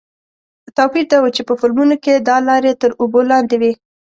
توپیر دا و چې په فلمونو کې دا لارې تر اوبو لاندې وې.